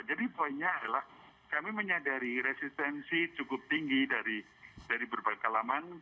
jadi poinnya adalah kami menyadari resistensi cukup tinggi dari berbagai kalaman